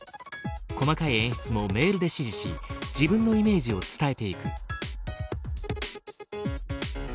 細かい演出もメールで指示し自分のイメージを伝えていく。